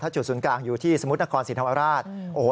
ถ้าจุดศูนย์กลางอยู่ที่สมมตินครสินธรรมราช